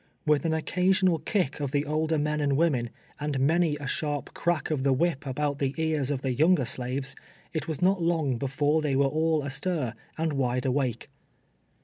AVith an occasional kick of the older men and women, and many a sharp crack of the whip about the ears of the younger slaves, it was not long before they were all astir, and wide awake.